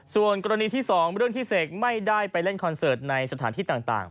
ส่วนกรณีที่๒เรื่องที่เสกไม่ได้ไปเล่นคอนเสิร์ตในสถานที่ต่าง